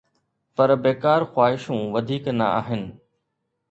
پر بيڪار خواهشون وڌيڪ نه آهن.